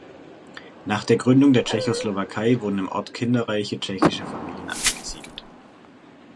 Nach der Gründung der Tschechoslowakei wurden im Ort kinderreiche tschechische Familien angesiedelt.